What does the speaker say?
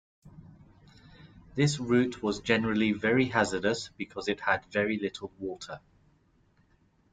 This route was generally very hazardous because it had very little water.